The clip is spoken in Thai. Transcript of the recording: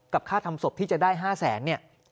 กับค่าทำศพที่จะได้๕แสน